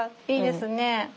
いいですね。